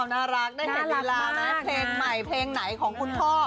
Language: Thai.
น่ารักมากเนี่ยเพลงใหม่เพลงไหนของคุณพ่อ